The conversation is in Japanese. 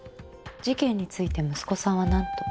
事件について息子さんは何と？